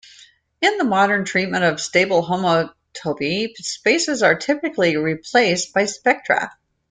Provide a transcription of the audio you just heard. In the modern treatment of stable homotopy, spaces are typically replaced by spectra.